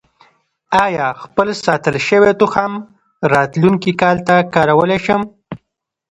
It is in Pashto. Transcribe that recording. آیا خپل ساتل شوی تخم راتلونکي کال ته کارولی شم؟